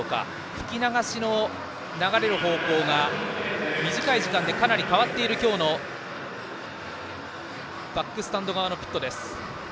吹き流しの流れる方向が短い時間でかなり変わっている今日のバックスタンド側のピットです。